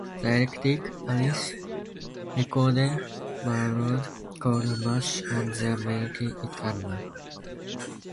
The Electric Amish recorded a parody called "Mush" on their "Milkin' It" album.